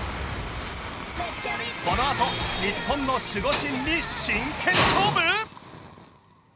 このあと日本の守護神に真剣勝負！？